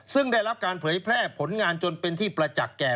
ซึ่งได้รับการเผยแพร่ผลงานจนเป็นที่ประจักษ์แก่